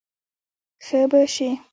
ښه به شې.